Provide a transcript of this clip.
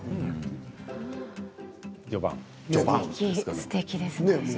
すてきですね。